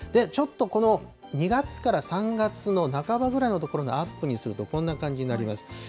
ちょっとこの２月から３月の半ばぐらいのところのアップにすると、こんな感じになります。